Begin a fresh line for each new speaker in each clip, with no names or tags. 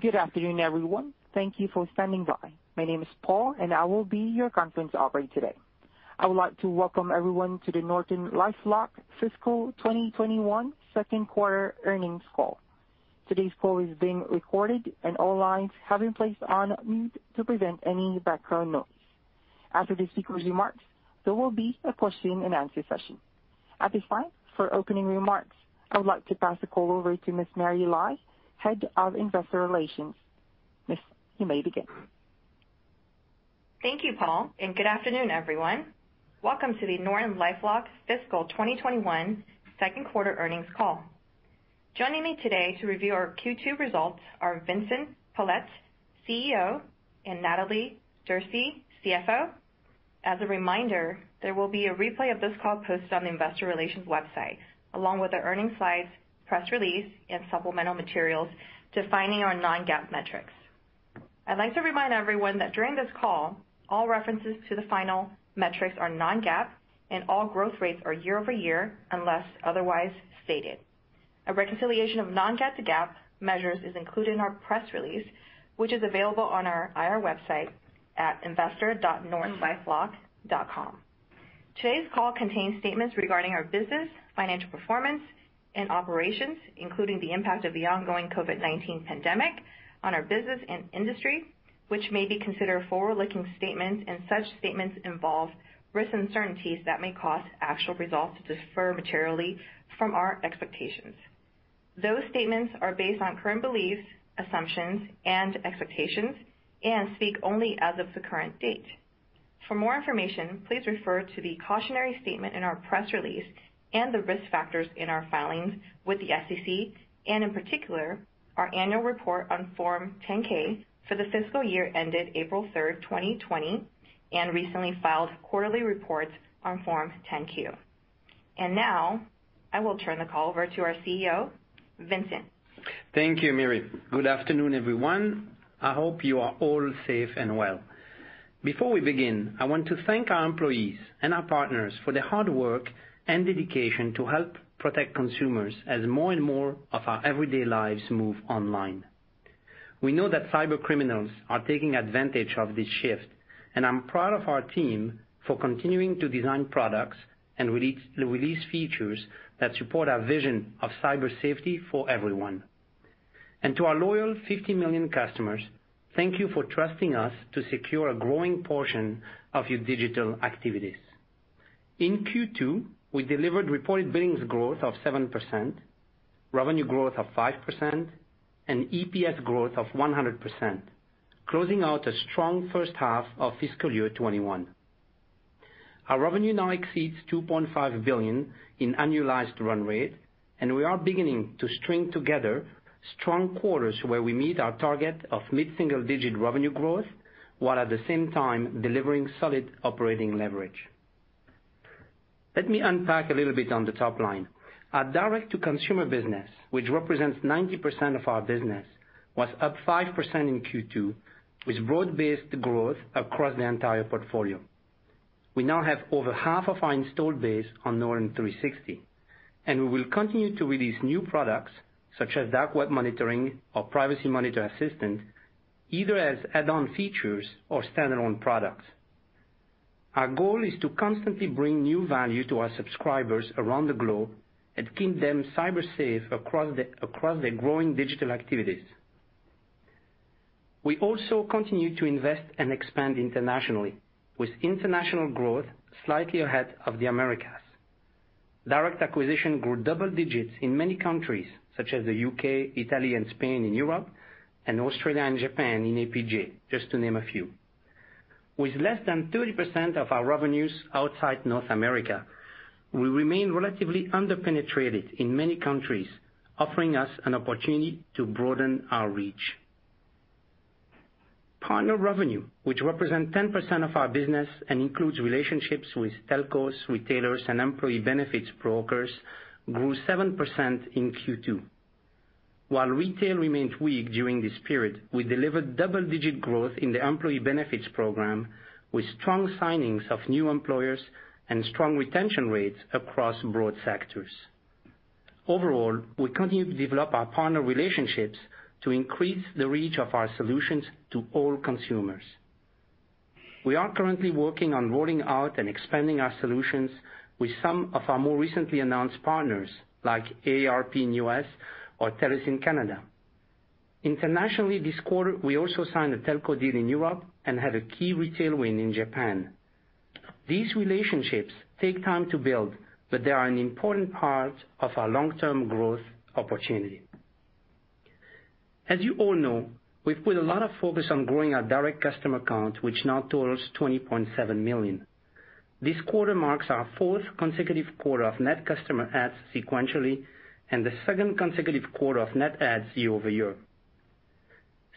Good afternoon, everyone. Thank you for standing by. My name is Paul, and I will be your conference operator today. I would like to welcome everyone to the NortonLifeLock Fiscal 2021 Second Quarter Earnings Call. Today's call is being recorded, and all lines have been placed on mute to prevent any background noise. After the speaker's remarks, there will be a question-and-answer session. At this time, for opening remarks, I would like to pass the call over to Ms. Mary Lai, Head of Investor Relations. Miss, you may begin.
Thank you, Paul, and good afternoon, everyone. Welcome to the NortonLifeLock Fiscal 2021 Second Quarter Earnings Call. Joining me today to review our Q2 results are Vincent Pilette, CEO, and Natalie Derse, CFO. As a reminder, there will be a replay of this call posted on the investor relations website, along with the earning slides, press release, and supplemental materials defining our non-GAAP metrics. I'd like to remind everyone that during this call, all references to the final metrics are non-GAAP, and all growth rates are year-over-year, unless otherwise stated. A reconciliation of non-GAAP to GAAP measures is included in our press release, which is available on our IR website at investor.nortonlifelock.com. Today's call contains statements regarding our business, financial performance, and operations, including the impact of the ongoing COVID-19 pandemic on our business and industry, which may be considered forward-looking statements, and such statements involve risks and uncertainties that may cause actual results to differ materially from our expectations. Those statements are based on current beliefs, assumptions, and expectations and speak only as of the current date. For more information, please refer to the cautionary statement in our press release and the risk factors in our filings with the SEC, and in particular, our annual report on Form 10-K for the fiscal year ended April 3rd, 2020, and recently filed quarterly reports on Form 10-Q. Now, I will turn the call over to our CEO, Vincent.
Thank you, Mary. Good afternoon, everyone. I hope you are all safe and well. Before we begin, I want to thank our employees and our partners for their hard work and dedication to help protect consumers as more and more of our everyday lives move online. We know that cybercriminals are taking advantage of this shift. I'm proud of our team for continuing to design products and release features that support our vision of Cyber Safety for everyone. To our loyal 50 million customers, thank you for trusting us to secure a growing portion of your digital activities. In Q2, we delivered reported billings growth of 7%, revenue growth of 5%, and EPS growth of 100%, closing out a strong first half of fiscal year 2021. Our revenue now exceeds $2.5 billion in annualized run rate, and we are beginning to string together strong quarters where we meet our target of mid-single-digit revenue growth, while at the same time delivering solid operating leverage. Let me unpack a little bit on the top line. Our direct-to-consumer business, which represents 90% of our business, was up 5% in Q2 with broad-based growth across the entire portfolio. We now have over half of our installed base on Norton 360, and we will continue to release new products such as Dark Web Monitoring or Privacy Monitor Assistant, either as add-on features or standalone products. Our goal is to constantly bring new value to our subscribers around the globe and keep them cyber safe across their growing digital activities. We also continue to invest and expand internationally, with international growth slightly ahead of the Americas. Direct acquisition grew double digits in many countries, such as the U.K., Italy, and Spain in Europe, and Australia and Japan in APJ, just to name a few. With less than 30% of our revenues outside North America, we remain relatively under-penetrated in many countries, offering us an opportunity to broaden our reach. Partner revenue, which represents 10% of our business and includes relationships with telcos, retailers, and employee benefits brokers, grew 7% in Q2. While retail remained weak during this period, we delivered double-digit growth in the employee benefits program, with strong signings of new employers and strong retention rates across broad sectors. Overall, we continue to develop our partner relationships to increase the reach of our solutions to all consumers. We are currently working on rolling out and expanding our solutions with some of our more recently announced partners, like AARP in the U.S. or TELUS in Canada. Internationally, this quarter, we also signed a telco deal in Europe and had a key retail win in Japan. These relationships take time to build, but they are an important part of our long-term growth opportunity. As you all know, we've put a lot of focus on growing our direct customer count, which now totals 20.7 million. This quarter marks our fourth consecutive quarter of net customer adds sequentially and the second consecutive quarter of net adds year-over-year.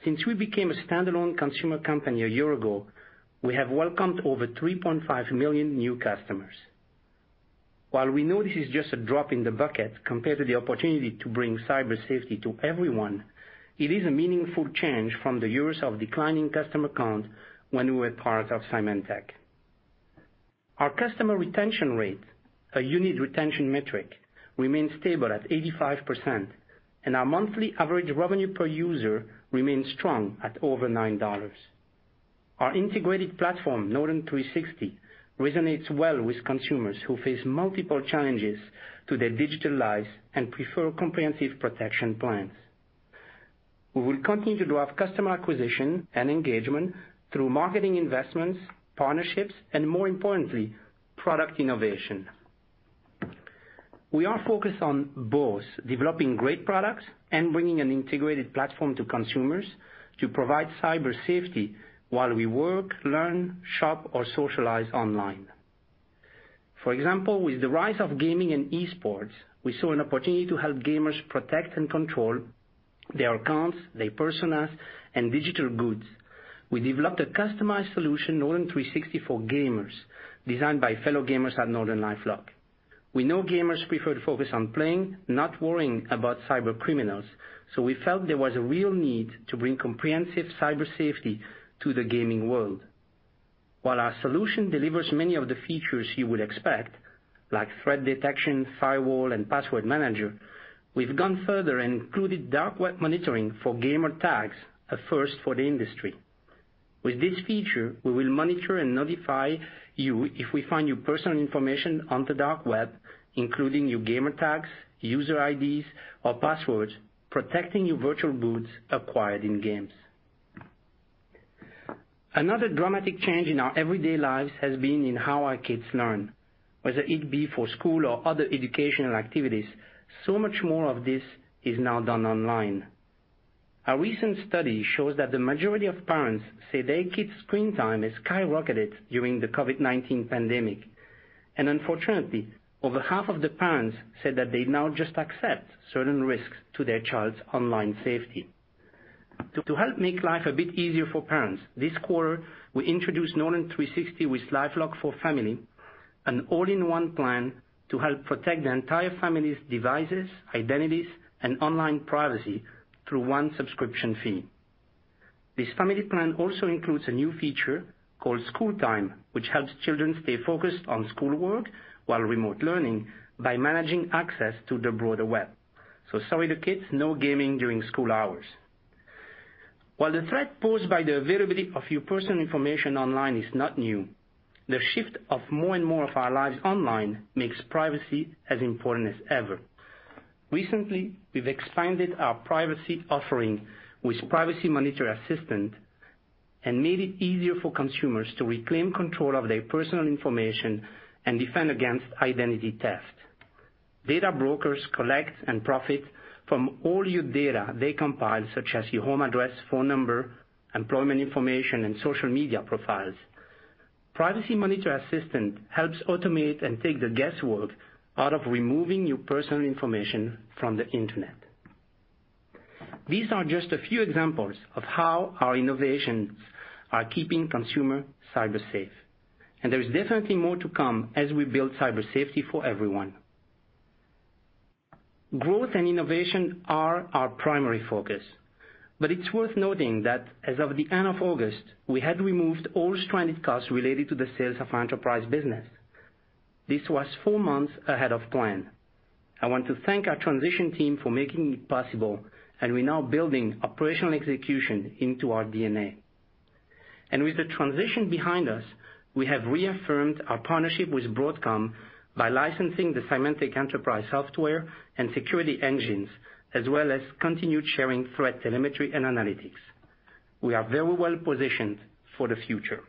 Since we became a standalone consumer company a year ago, we have welcomed over 3.5 million new customers. While we know this is just a drop in the bucket compared to the opportunity to bring Cyber Safety to everyone, it is a meaningful change from the years of declining customer count when we were part of Symantec. Our customer retention rate, a unit retention metric, remains stable at 85%, and our monthly average revenue per user remains strong at over $9. Our integrated platform, Norton 360, resonates well with consumers who face multiple challenges to their digital lives and prefer comprehensive protection plans. We will continue to drive customer acquisition and engagement through marketing investments, partnerships, and more importantly, product innovation. We are focused on both developing great products and bringing an integrated platform to consumers to provide Cyber Safety while we work, learn, shop, or socialize online. For example, with the rise of gaming and esports, we saw an opportunity to help gamers protect and control their accounts, their personas, and digital goods. We developed a customized solution, Norton 360 for Gamers, designed by fellow gamers at NortonLifeLock. We know gamers prefer to focus on playing, not worrying about cybercriminals, so we felt there was a real need to bring comprehensive cyber safety to the gaming world. While our solution delivers many of the features you would expect, like threat detection, firewall, and password manager, we've gone further and included Dark Web Monitoring for gamer tags, a first for the industry. With this feature, we will monitor and notify you if we find your personal information on the dark web, including your gamer tags, user IDs, or passwords, protecting your virtual goods acquired in games. Another dramatic change in our everyday lives has been in how our kids learn, whether it be for school or other educational activities. Much more of this is now done online. A recent study shows that the majority of parents say their kids' screen time has skyrocketed during the COVID-19 pandemic, and unfortunately, over half of the parents said that they now just accept certain risks to their child's online safety. To help make life a bit easier for parents, this quarter, we introduced Norton 360 with LifeLock for Family, an all-in-one plan to help protect the entire family's devices, identities, and online privacy through one subscription fee. This family plan also includes a new feature called School Time, which helps children stay focused on schoolwork while remote learning by managing access to the broader web. Sorry to kids, no gaming during school hours. While the threat posed by the availability of your personal information online is not new, the shift of more and more of our lives online makes privacy as important as ever. Recently, we've expanded our privacy offering with Privacy Monitor Assistant and made it easier for consumers to reclaim control of their personal information and defend against identity theft. Data brokers collect and profit from all your data they compile, such as your home address, phone number, employment information, and social media profiles. Privacy Monitor Assistant helps automate and take the guesswork out of removing your personal information from the internet. These are just a few examples of how our innovations are keeping consumers cyber safe, and there is definitely more to come as we build cyber safety for everyone. Growth and innovation are our primary focus, but it's worth noting that as of the end of August, we had removed all stranded costs related to the sales of our enterprise business. This was four months ahead of plan. I want to thank our transition team for making it possible, and we're now building operational execution into our DNA. With the transition behind us, we have reaffirmed our partnership with Broadcom by licensing the Symantec enterprise software and security engines, as well as continued sharing threat telemetry and analytics. We are very well-positioned for the future.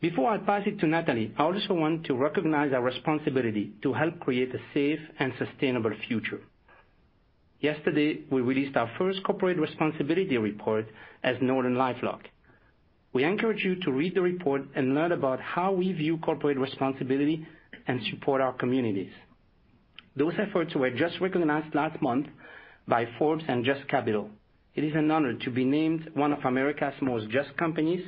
Before I pass it to Natalie, I also want to recognize our responsibility to help create a safe and sustainable future. Yesterday, we released our first corporate responsibility report as NortonLifeLock. We encourage you to read the report and learn about how we view corporate responsibility and support our communities. Those efforts were just recognized last month by Forbes and JUST Capital. It is an honor to be named one of America's most just companies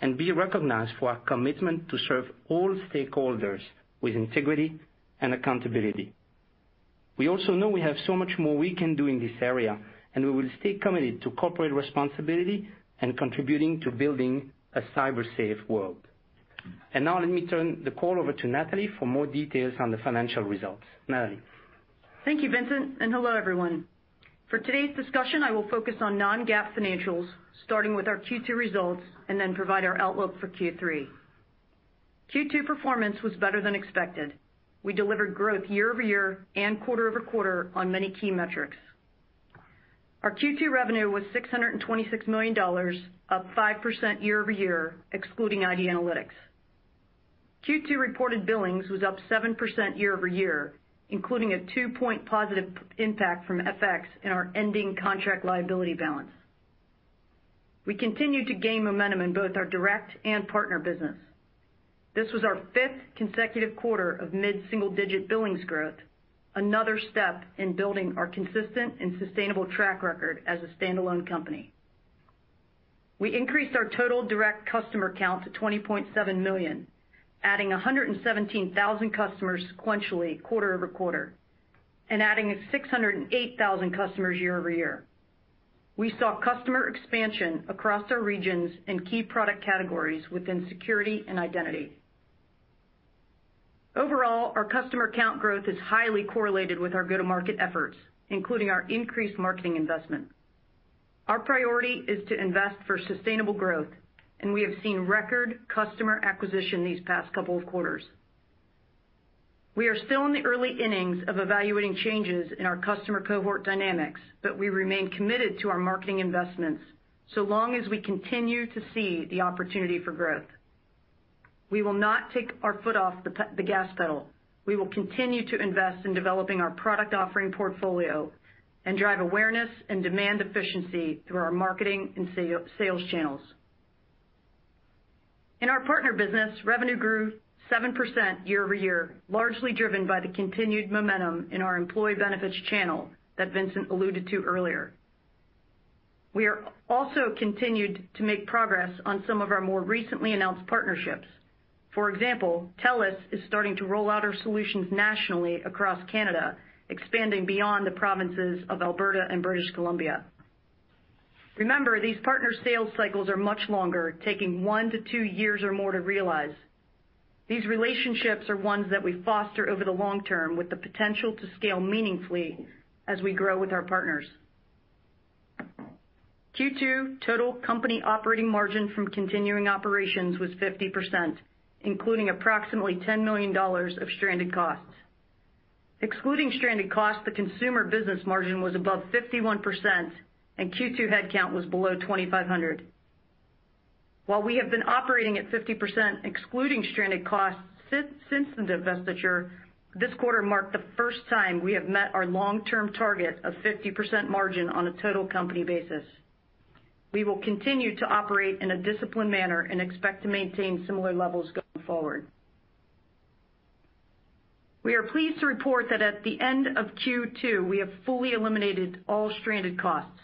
and be recognized for our commitment to serve all stakeholders with integrity and accountability. We also know we have so much more we can do in this area, and we will stay committed to corporate responsibility and contributing to building a cyber safe world. Now let me turn the call over to Natalie for more details on the financial results. Natalie?
Thank you, Vincent, and hello, everyone. For today's discussion, I will focus on non-GAAP financials, starting with our Q2 results, and then provide our outlook for Q3. Q2 performance was better than expected. We delivered growth year-over-year and quarter-over-quarter on many key metrics. Our Q2 revenue was $626 million, up 5% year-over-year, excluding ID Analytics. Q2 reported billings was up 7% year-over-year, including a two-point positive impact from FX and our ending contract liability balance. We continue to gain momentum in both our direct and partner business. This was our fifth consecutive quarter of mid-single-digit billings growth, another step in building our consistent and sustainable track record as a standalone company. We increased our total direct customer count to 20.7 million, adding 117,000 customers sequentially quarter-over-quarter and adding 608,000 customers year-over-year. We saw customer expansion across our regions in key product categories within security and identity. Overall, our customer count growth is highly correlated with our go-to-market efforts, including our increased marketing investment. Our priority is to invest for sustainable growth, and we have seen record customer acquisition these past couple of quarters. We are still in the early innings of evaluating changes in our customer cohort dynamics, but we remain committed to our marketing investments so long as we continue to see the opportunity for growth. We will not take our foot off the gas pedal. We will continue to invest in developing our product offering portfolio and drive awareness and demand efficiency through our marketing and sales channels. In our partner business, revenue grew 7% year-over-year, largely driven by the continued momentum in our employee benefits channel that Vincent alluded to earlier. We are also continued to make progress on some of our more recently announced partnerships. For example, TELUS is starting to roll out our solutions nationally across Canada, expanding beyond the provinces of Alberta and British Columbia. Remember, these partner sales cycles are much longer, taking one-two years or more to realize. These relationships are ones that we foster over the long term with the potential to scale meaningfully as we grow with our partners. Q2 total company operating margin from continuing operations was 50%, including approximately $10 million of stranded costs. Excluding stranded costs, the consumer business margin was above 51%. Q2 headcount was below 2,500. While we have been operating at 50% excluding stranded costs since the divestiture, this quarter marked the first time we have met our long-term target of 50% margin on a total company basis. We will continue to operate in a disciplined manner and expect to maintain similar levels going forward. We are pleased to report that at the end of Q2, we have fully eliminated all stranded costs.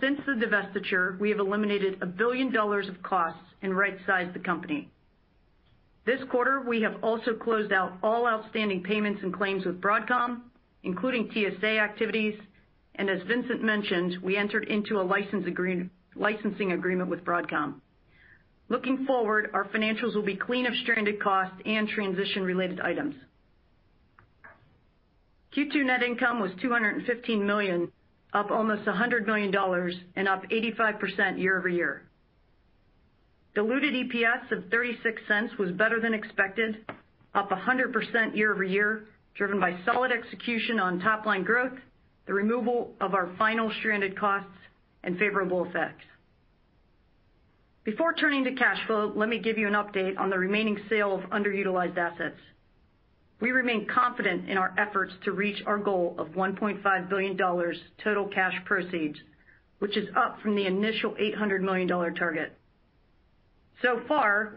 Since the divestiture, we have eliminated a billion of costs and rightsized the company. This quarter, we have also closed out all outstanding payments and claims with Broadcom, including TSA activities, and as Vincent mentioned, we entered into a licensing agreement with Broadcom. Looking forward, our financials will be clean of stranded costs and transition-related items. Q2 net income was $215 million, up almost $100 million and up 85% year-over-year. Diluted EPS of $0.36 was better than expected, up 100% year-over-year, driven by solid execution on top-line growth, the removal of our final stranded costs, and favorable FX. Before turning to cash flow, let me give you an update on the remaining sale of underutilized assets. We remain confident in our efforts to reach our goal of $1.5 billion total cash proceeds, which is up from the initial $800 million target.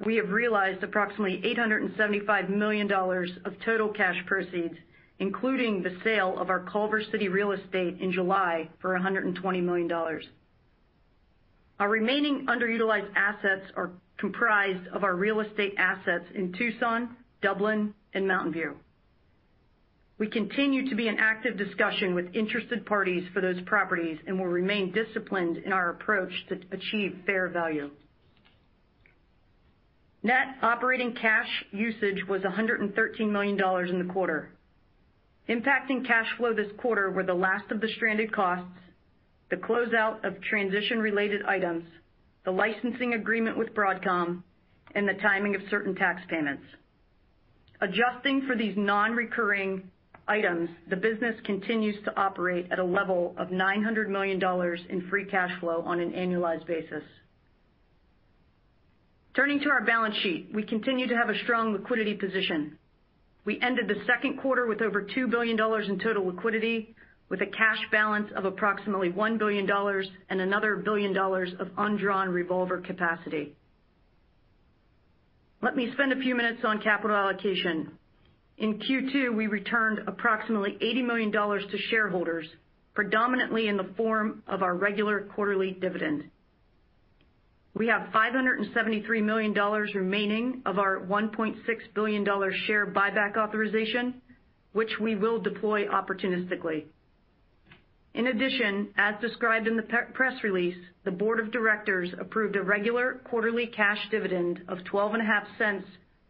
We have realized approximately $875 million of total cash proceeds, including the sale of our Culver City real estate in July for $120 million. Our remaining underutilized assets are comprised of our real estate assets in Tucson, Dublin, and Mountain View. We continue to be in active discussion with interested parties for those properties and will remain disciplined in our approach to achieve fair value. Net operating cash usage was $113 million in the quarter. Impacting cash flow this quarter were the last of the stranded costs, the closeout of transition-related items, the licensing agreement with Broadcom, and the timing of certain tax payments. Adjusting for these non-recurring items, the business continues to operate at a level of $900 million in free cash flow on an annualized basis. Turning to our balance sheet, we continue to have a strong liquidity position. We ended the second quarter with over $2 billion in total liquidity with a cash balance of approximately $1 billion and another $1 billion of undrawn revolver capacity. Let me spend a few minutes on capital allocation. In Q2, we returned approximately $80 million to shareholders, predominantly in the form of our regular quarterly dividend. We have $573 million remaining of our $1.6 billion share buyback authorization, which we will deploy opportunistically. In addition, as described in the press release, the board of directors approved a regular quarterly cash dividend of $0.125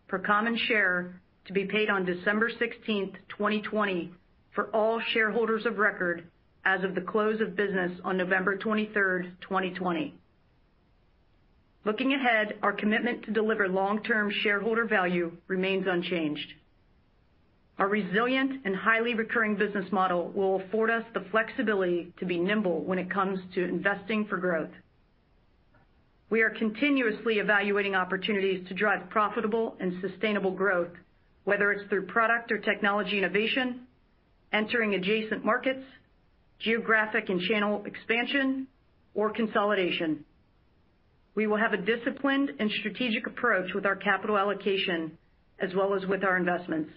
per common share to be paid on December 16th, 2020, for all shareholders of record as of the close of business on November 23rd, 2020. Looking ahead, our commitment to deliver long-term shareholder value remains unchanged. Our resilient and highly recurring business model will afford us the flexibility to be nimble when it comes to investing for growth. We are continuously evaluating opportunities to drive profitable and sustainable growth, whether it's through product or technology innovation, entering adjacent markets, geographic and channel expansion, or consolidation. We will have a disciplined and strategic approach with our capital allocation as well as with our investments.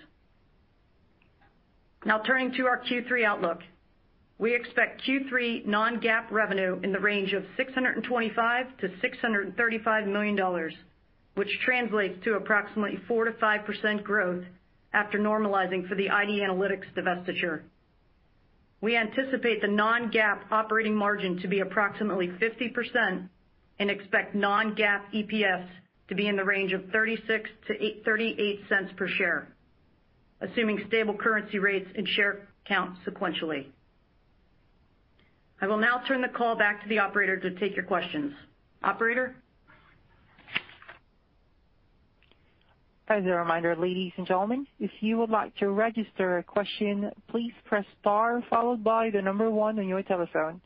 Turning to our Q3 outlook. We expect Q3 non-GAAP revenue in the range of $625 million-$635 million, which translates to approximately 4%-5% growth after normalizing for the ID Analytics divestiture. We anticipate the non-GAAP operating margin to be approximately 50% and expect non-GAAP EPS to be in the range of $0.36-$0.38 per share, assuming stable currency rates and share count sequentially. I will now turn the call back to the operator to take your questions. Operator?
As a reminder, ladies and gentlemen, if you would like to register a question, please press star followed by the number one on your telephone.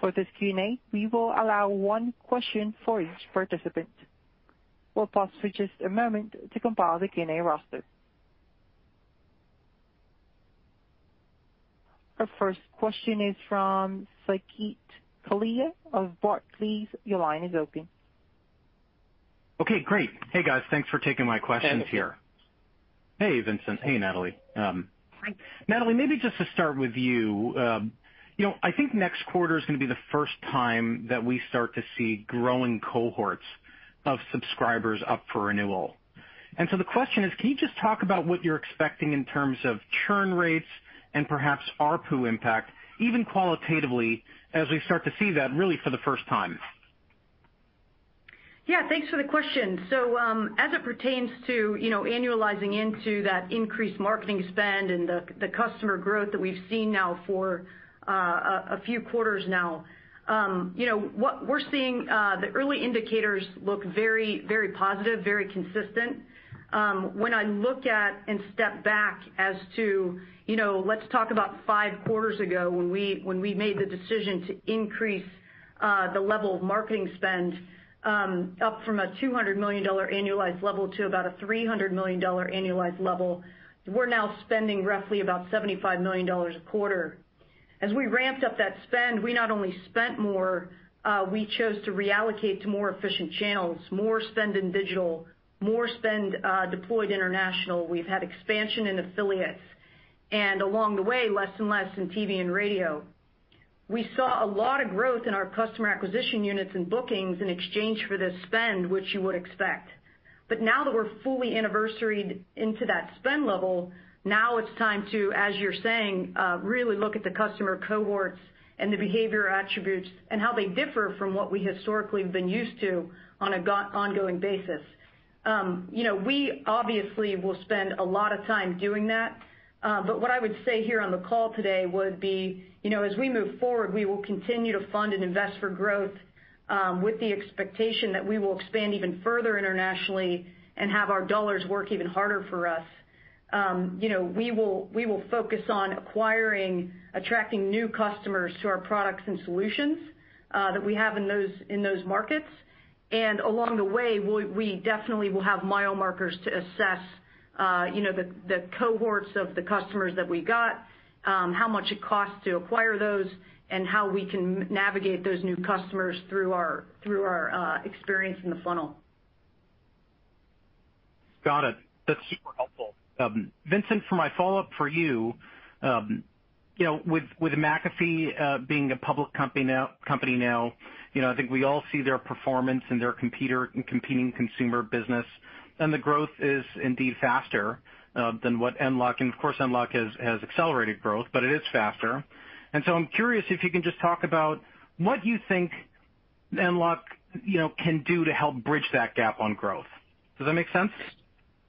For this Q&A, we will allow one question for each participant. We'll pause for just a moment to compile the Q&A roster. Our first question is from Saket Kalia of Barclays. Your line is open.
Okay, great. Hey, guys. Thanks for taking my questions here.
Hey.
Hey, Vincent. Hey, Natalie.
Hi.
Natalie, maybe just to start with you. I think next quarter is going to be the first time that we start to see growing cohorts of subscribers up for renewal. The question is, can you just talk about what you're expecting in terms of churn rates and perhaps ARPU impact, even qualitatively, as we start to see that really for the first time?
Thanks for the question. As it pertains to annualizing into that increased marketing spend and the customer growth that we've seen now for a few quarters now, what we're seeing, the early indicators look very positive, very consistent. When I look at and step back as to, let's talk about five quarters ago when we made the decision to increase the level of marketing spend up from a $200 million annualized level to about a $300 million annualized level. We're now spending roughly about $75 million a quarter. As we ramped up that spend, we not only spent more, we chose to reallocate to more efficient channels, more spend in digital, more spend deployed international. We've had expansion in affiliates, and along the way, less and less in TV and radio. We saw a lot of growth in our customer acquisition units and bookings in exchange for the spend, which you would expect. Now that we're fully anniversaried into that spend level, now it's time to, as you're saying, really look at the customer cohorts and the behavior attributes and how they differ from what we historically have been used to on an ongoing basis. We obviously will spend a lot of time doing that. What I would say here on the call today would be, as we move forward, we will continue to fund and invest for growth, with the expectation that we will expand even further internationally and have our dollars work even harder for us. We will focus on acquiring, attracting new customers to our products and solutions that we have in those markets. Along the way, we definitely will have mile markers to assess the cohorts of the customers that we got, how much it costs to acquire those, and how we can navigate those new customers through our experience in the funnel.
Got it. That's super helpful. Vincent, for my follow-up for you, with McAfee being a public company now, I think we all see their performance and their competing consumer business, and the growth is indeed faster than what NortonLifeLock, and of course, NortonLifeLock has accelerated growth, but it is faster. I'm curious if you can just talk about what you think NortonLifeLock can do to help bridge that gap on growth. Does that make sense?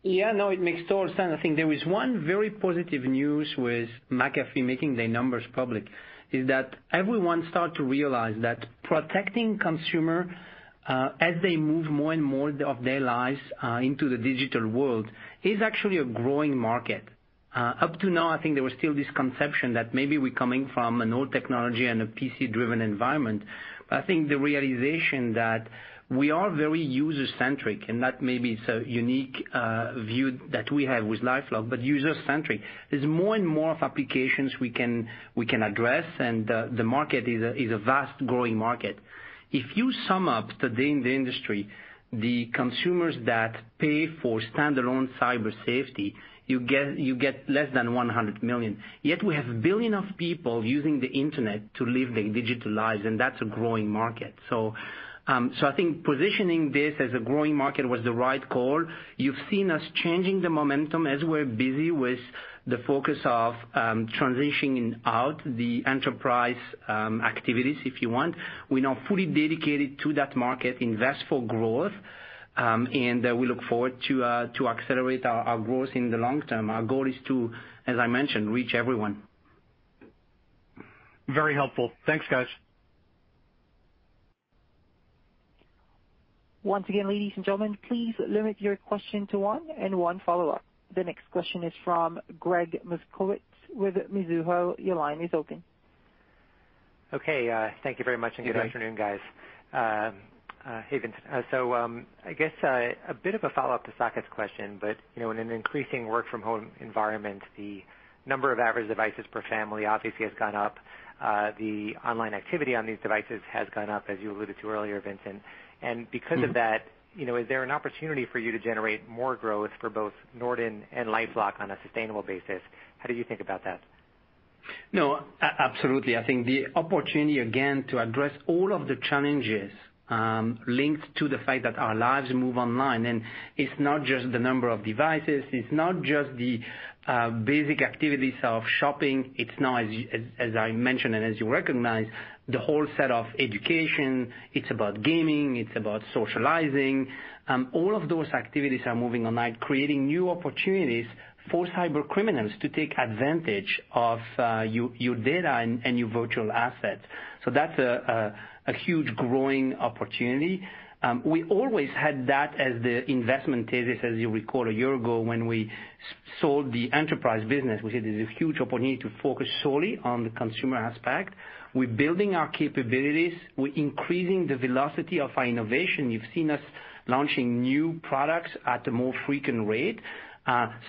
No, it makes total sense. I think there is one very positive news with McAfee making their numbers public, is that everyone start to realize that protecting consumer, as they move more and more of their lives into the digital world, is actually a growing market. Up to now, I think there was still this conception that maybe we're coming from an old technology and a PC-driven environment. But I think the realization that we are very user-centric, and that maybe it's a unique view that we have with LifeLock, but user-centric. There's more and more applications we can address, and the market is a vast growing market. If you sum up today in the industry, the consumers that pay for standalone cyber safety, you get less than 100 million. Yet we have 1 billion people using the Internet to live their digital lives, and that's a growing market. I think positioning this as a growing market was the right call. You've seen us changing the momentum as we're busy with the focus of transitioning out the enterprise activities, if you want. We're now fully dedicated to that market, invest for growth, and we look forward to accelerate our growth in the long term. Our goal is to, as I mentioned, reach everyone.
Very helpful. Thanks, guys.
Once again, ladies and gentlemen, please limit your question to one and one follow-up. The next question is from Gregg Moskowitz with Mizuho. Your line is open.
Okay. Thank you very much, and good afternoon, guys.
Hey.
Hey, Vince. I guess a bit of a follow-up to Saket's question, in an increasing work-from-home environment, the number of average devices per family obviously has gone up. The online activity on these devices has gone up, as you alluded to earlier, Vincent. Because of that, is there an opportunity for you to generate more growth for both Norton and LifeLock on a sustainable basis? How do you think about that?
No, absolutely. I think the opportunity, again, to address all of the challenges, linked to the fact that our lives move online. It's not just the number of devices, it's not just the basic activities of shopping. It's not, as I mentioned and as you recognize, the whole set of education. It's about gaming, it's about socializing. All of those activities are moving online, creating new opportunities for cybercriminals to take advantage of your data and your virtual assets. That's a huge growing opportunity. We always had that as the investment thesis, as you recall, a year ago when we sold the enterprise business. We said there's a huge opportunity to focus solely on the consumer aspect. We're building our capabilities. We're increasing the velocity of our innovation. You've seen us launching new products at a more frequent rate.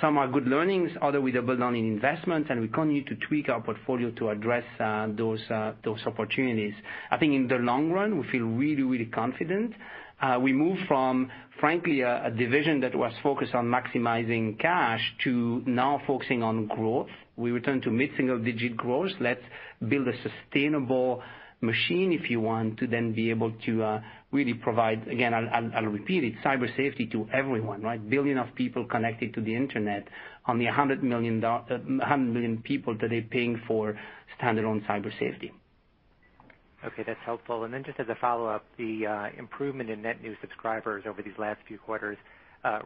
Some are good learnings. We double down in investments, and we continue to tweak our portfolio to address those opportunities. I think in the long run, we feel really confident. We moved from, frankly, a division that was focused on maximizing cash to now focusing on growth. We return to mid-single-digit growth. Let's build a sustainable machine, if you want, to then be able to really provide, again, I'll repeat it, Cyber Safety to everyone, right? Billion of people connected to the Internet. Only 100 million people today paying for standalone Cyber Safety.
Okay. That's helpful. Just as a follow-up, the improvement in net new subscribers over these last few quarters,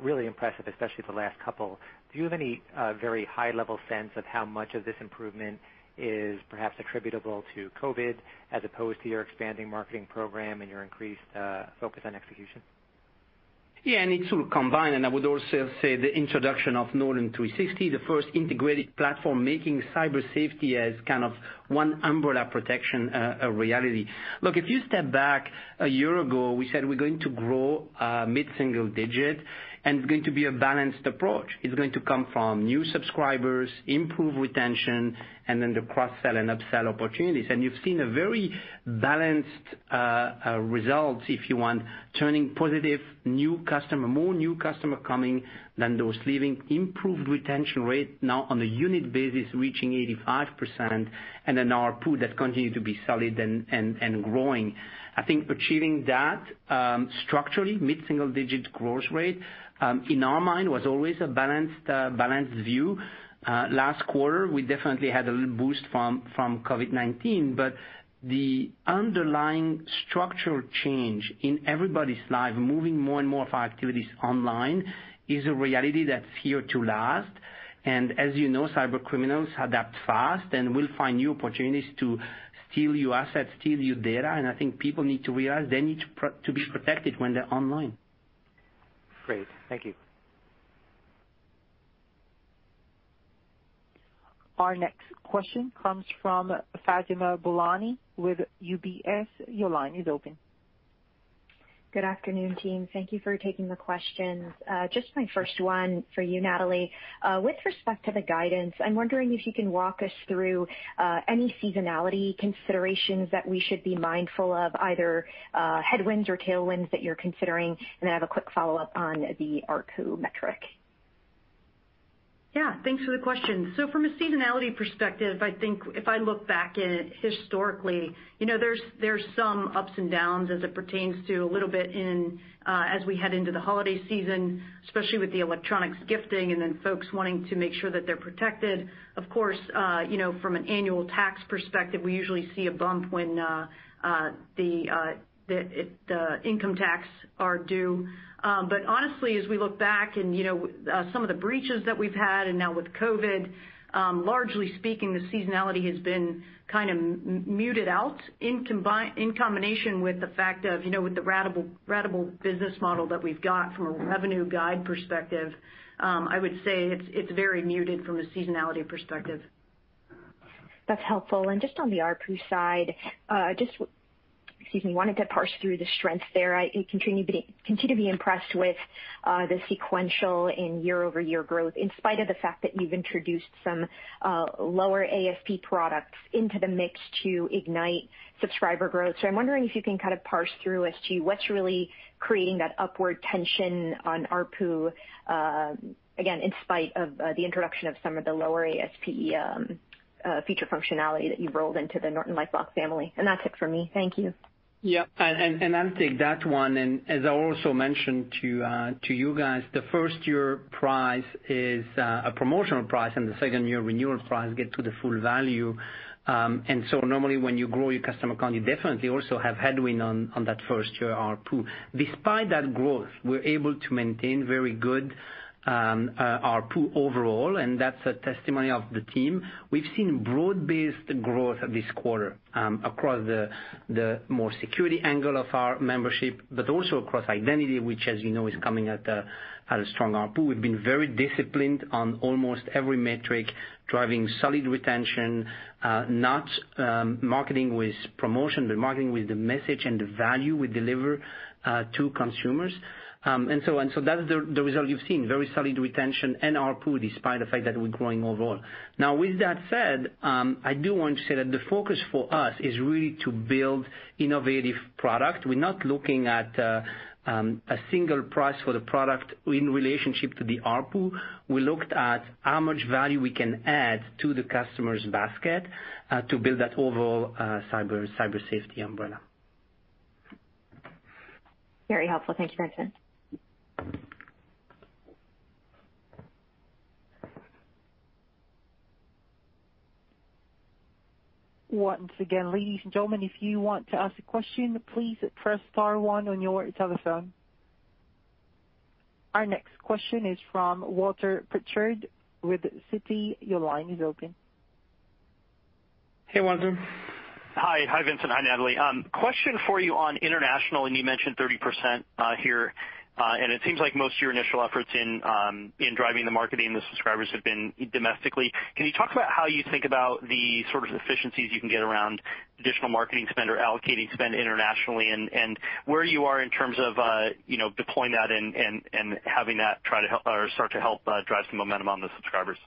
really impressive, especially the last couple. Do you have any very high-level sense of how much of this improvement is perhaps attributable to COVID as opposed to your expanding marketing program and your increased focus on execution?
Yeah. It's all combined, I would also say the introduction of Norton 360, the first integrated platform making Cyber Safety as kind of one umbrella protection a reality. Look, if you step back a year ago, we said we're going to grow mid-single digit, and it's going to be a balanced approach. It's going to come from new subscribers, improved retention, and then the cross-sell and up-sell opportunities. You've seen a very balanced result, if you want, turning positive, more new customer coming than those leaving. Improved retention rate now on a unit basis reaching 85%, and an ARPU that continue to be solid and growing. I think achieving that structurally mid-single-digit growth rate, in our mind, was always a balanced view. Last quarter, we definitely had a little boost from COVID-19, but the underlying structural change in everybody's life, moving more and more of our activities online is a reality that's here to last. As you know, cybercriminals adapt fast, and will find new opportunities to steal your assets, steal your data. I think people need to realize they need to be protected when they're online.
Great. Thank you.
Our next question comes from Fatima Boolani with UBS. Your line is open.
Good afternoon, team. Thank you for taking the questions. Just my first one for you, Natalie. With respect to the guidance, I'm wondering if you can walk us through any seasonality considerations that we should be mindful of, either headwinds or tailwinds that you're considering. I have a quick follow-up on the ARPU metric.
Yeah. Thanks for the question. From a seasonality perspective, I think if I look back at it historically, there's some ups and downs as it pertains to as we head into the holiday season, especially with the electronics gifting, folks wanting to make sure that they're protected. Of course, from an annual tax perspective, we usually see a bump when the income taxes are due. Honestly, as we look back and some of the breaches that we've had and now with COVID, largely speaking, the seasonality has been kind of muted out in combination with the fact of the ratable business model that we've got from a revenue guide perspective. I would say it's very muted from a seasonality perspective.
That's helpful. On the ARPU side, excuse me, wanted to parse through the strengths there. I continue to be impressed with the sequential and year-over-year growth in spite of the fact that you've introduced some lower ASP products into the mix to ignite subscriber growth. I'm wondering if you can kind of parse through as to what's really creating that upward tension on ARPU, again, in spite of the introduction of some of the lower ASP feature functionality that you've rolled into the NortonLifeLock family. That's it for me. Thank you.
Yeah. I'll take that one. As I also mentioned to you guys, the first-year price is a promotional price, and the second-year renewal price get to the full value. Normally, when you grow your customer count, you definitely also have headwind on that first-year ARPU. Despite that growth, we're able to maintain very good ARPU overall, and that's a testimony of the team. We've seen broad-based growth this quarter across the more security angle of our membership, but also across identity, which as you know is coming at a strong ARPU. We've been very disciplined on almost every metric, driving solid retention, not marketing with promotion, but marketing with the message and the value we deliver to consumers. That is the result you've seen, very solid retention and ARPU despite the fact that we're growing overall. With that said, I do want to say that the focus for us is really to build innovative product. We're not looking at a single price for the product in relationship to the ARPU. We looked at how much value we can add to the customer's basket to build that overall cyber safety umbrella.
Very helpful. Thank you, Vincent.
Once again, ladies and gentlemen, if you want to ask a question, please press star one on your telephone. Our next question is from Walter Pritchard with Citi. Your line is open.
Hey, Walter.
Hi, Vincent. Hi, Natalie. Question for you on international. You mentioned 30% here. It seems like most of your initial efforts in driving the marketing and the subscribers have been domestically. Can you talk about how you think about the sort of efficiencies you can get around additional marketing spend or allocating spend internationally, and where you are in terms of deploying that and having that start to help drive some momentum on the subscribers?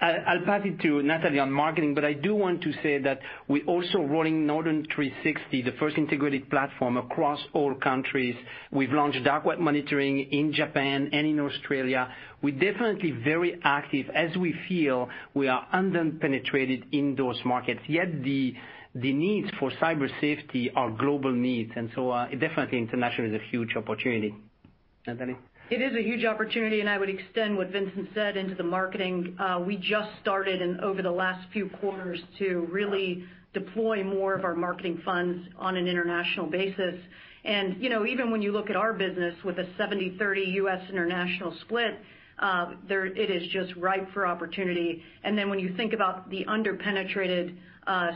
I'll pass it to Natalie on marketing, but I do want to say that we're also rolling Norton 360, the first integrated platform across all countries. We've launched Dark Web Monitoring in Japan and in Australia. We're definitely very active as we feel we are under-penetrated in those markets. Yet the needs for cyber safety are global needs, and so definitely international is a huge opportunity. Natalie?
It is a huge opportunity, and I would extend what Vincent said into the marketing. We just started in over the last few quarters to really deploy more of our marketing funds on an international basis. Even when you look at our business with a 70/30 U.S. international split, it is just ripe for opportunity. When you think about the under-penetrated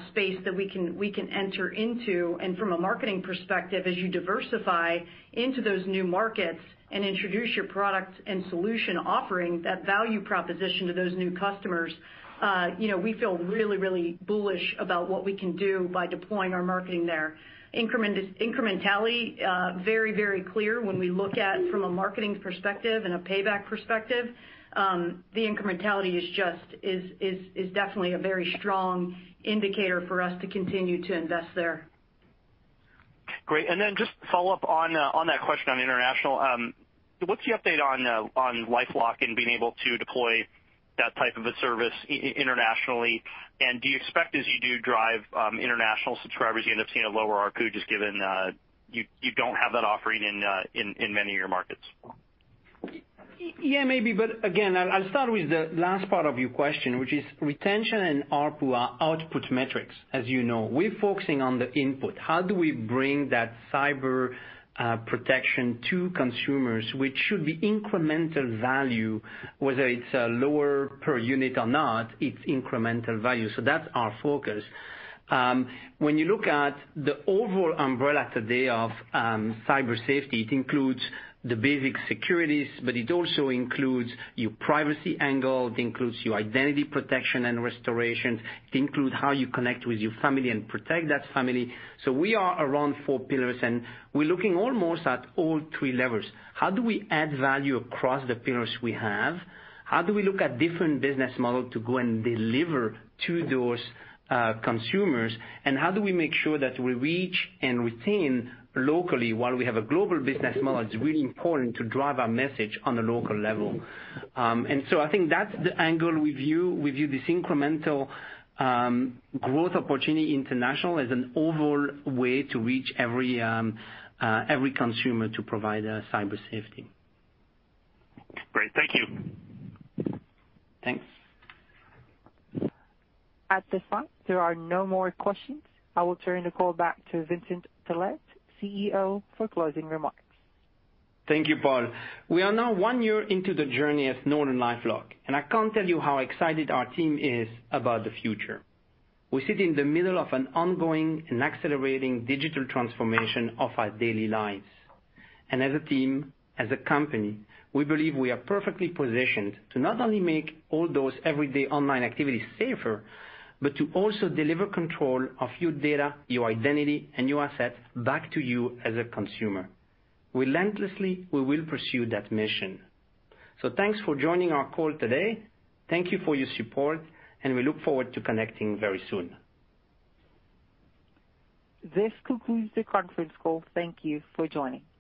space that we can enter into, and from a marketing perspective, as you diversify into those new markets and introduce your product and solution offering, that value proposition to those new customers, we feel really bullish about what we can do by deploying our marketing there. Incrementality, very clear when we look at from a marketing perspective and a payback perspective. The incrementality is definitely a very strong indicator for us to continue to invest there.
Great. Then just follow up on that question on international. What's the update on LifeLock and being able to deploy that type of a service internationally? Do you expect as you do drive international subscribers, you end up seeing a lower ARPU just given you don't have that offering in many of your markets?
Yeah, maybe. Again, I'll start with the last part of your question, which is retention and ARPU are output metrics, as you know. We're focusing on the input. How do we bring that cyber protection to consumers, which should be incremental value, whether it's lower per unit or not, it's incremental value. That's our focus. When you look at the overall umbrella today of cyber safety, it includes the basic securities, but it also includes your privacy angle. It includes your identity protection and restoration. It includes how you connect with your family and protect that family. We are around four pillars, and we're looking almost at all three levels. How do we add value across the pillars we have? How do we look at different business model to go and deliver to those consumers? How do we make sure that we reach and retain locally while we have a global business model? It's really important to drive our message on the local level. I think that's the angle we view this incremental growth opportunity international as an overall way to reach every consumer to provide Cyber Safety.
Great. Thank you.
Thanks.
At this time, there are no more questions. I will turn the call back to Vincent Pilette, CEO, for closing remarks.
Thank you, Paul. We are now one year into the journey at NortonLifeLock, I can't tell you how excited our team is about the future. As a team, as a company, we believe we are perfectly positioned to not only make all those everyday online activities safer, but to also deliver control of your data, your identity, and your assets back to you as a consumer. Relentlessly, we will pursue that mission. Thanks for joining our call today. Thank you for your support, and we look forward to connecting very soon.
This concludes the conference call. Thank you for joining.